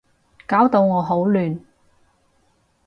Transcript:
搞到我好亂